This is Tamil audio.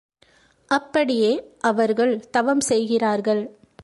அப்படியே அவர்கள் தவம் செய்கிறார்கள்.